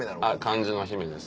漢字の「姫」です。